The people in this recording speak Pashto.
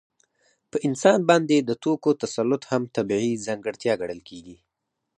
په انسان باندې د توکو تسلط هم طبیعي ځانګړتیا ګڼل کېږي